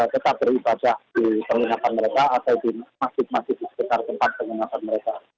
tetap beribadah di perlindungan mereka atau masih di sekitar tempat perlindungan mereka